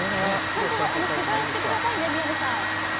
ちゃんと取材してくださいね宮根さん。